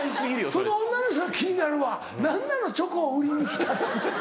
その女の人が気になるわ何なのチョコを売りに来た。